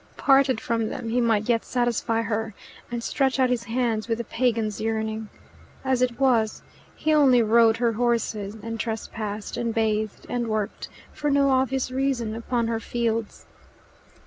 Parted from them, he might yet satisfy her, and stretch out his hands with a pagan's yearning. As it was, he only rode her horses, and trespassed, and bathed, and worked, for no obvious reason, upon her fields.